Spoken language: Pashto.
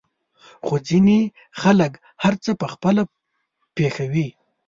خو ځينې خلک هر څه په خپله پېښوي.